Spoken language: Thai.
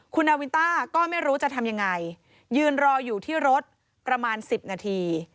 คุณนาวินต้าก็ไม่รู้จะทำยังไงยืนรออยู่ที่รถประมาณ๑๐นาที